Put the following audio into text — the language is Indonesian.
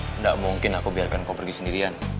tidak mungkin aku biarkan kau pergi sendirian